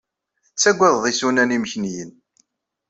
Tettagaded isunan imekniyen.